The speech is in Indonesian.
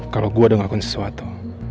kalau gue udah ngakuin sesuatu